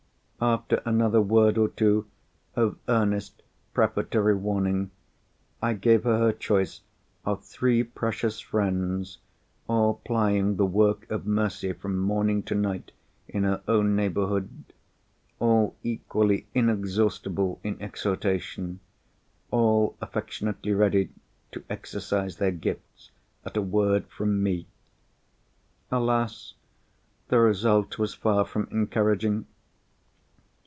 After another word or two of earnest prefatory warning, I gave her her choice of three precious friends, all plying the work of mercy from morning to night in her own neighbourhood; all equally inexhaustible in exhortation; all affectionately ready to exercise their gifts at a word from me. Alas! the result was far from encouraging.